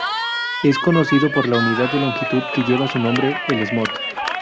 Es conocido por la unidad de longitud que lleva su nombre, el "smoot".